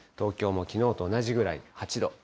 東京もきのうと同じぐらい、８度。